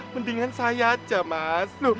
mendingan saya aja mas